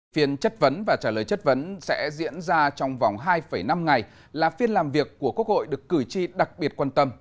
phiên chất vấn và trả lời chất vấn sẽ diễn ra trong vòng hai năm ngày là phiên làm việc của quốc hội được cử tri đặc biệt quan tâm